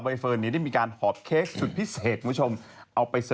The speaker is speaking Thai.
กระเทยเก่งกว่าเออแสดงความเป็นเจ้าข้าว